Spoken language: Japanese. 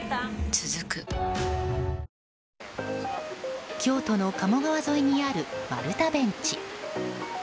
続く京都の鴨川沿いにある丸太ベンチ。